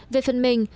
về phần mình